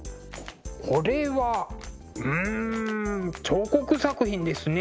これはうん彫刻作品ですね。